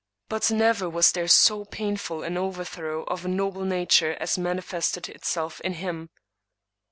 But never was there so painful an overthrow of a noble nature as manifested itself in him.